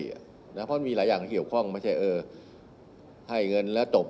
เพราะมันมีหลายอย่างเกี่ยวข้องไม่ใช่เออให้เงินแล้วจบ